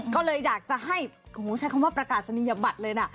ก็เลยอยากจะให้ใช้คำว่าประกาศนียบัตรเลยนะ